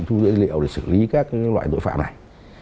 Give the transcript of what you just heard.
thu giữ liệu để xử lý các loại tội phạm này